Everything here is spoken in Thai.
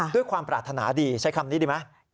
ด้วยความปรารถนาดีใช้คำนี้ดีไหม